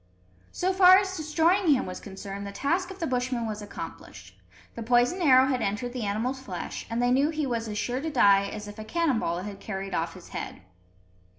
So far as destroying him was concerned, the task of the Bushmen was accomplished. The poisoned arrow had entered the animal's flesh, and they knew he was as sure to die as if a cannon ball had carried off his head.